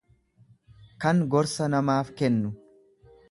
kan gorsa namaaf kennu.